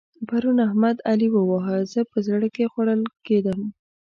پرون احمد؛ علي وواهه. زه په زړه کې خوړل کېدم.